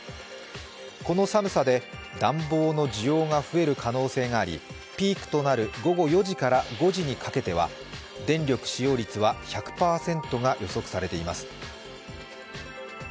この寒さで暖房の需要が増える可能性がありピークとなる午後４時から５時にかけては電力使用率は１００％が予測されています。